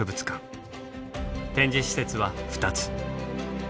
展示施設は２つ。